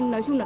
nói chung là